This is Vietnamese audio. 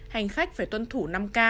hành khách phải tuân thủ năm k